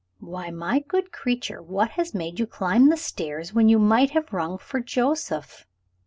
"Why, my good creature, what has made you climb the stairs, when you might have rung for Joseph?"